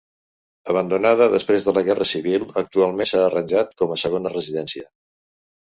Abandonada després de la Guerra Civil, actualment s'ha arranjat com a segona residència.